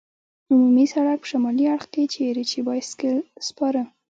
عمومي سړک په شمالي اړخ کې، چېرې چې بایسکل سپاره.